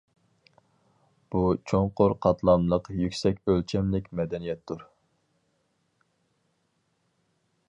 بۇ چوڭقۇر قاتلاملىق يۈكسەك ئۆلچەملىك مەدەنىيەتتۇر.